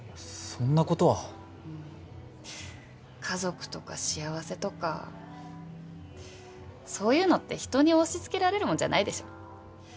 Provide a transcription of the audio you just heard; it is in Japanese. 家族とか幸せとかそういうのって人に押しつけられるもんじゃないでしょ？